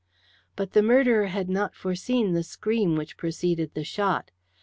But the murderer had not foreseen the scream which preceded the shot.